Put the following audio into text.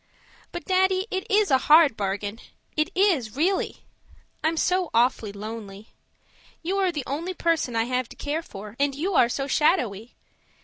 But, Daddy, it is a hard bargain. It is, really. I'm so awfully lonely. You are the only person I have to care for, and you are so shadowy.